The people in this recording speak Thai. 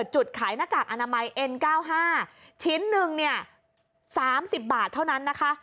ชิ้นหนึ่งเนี่ยสามสิบบาทเท่านั้นนะคะ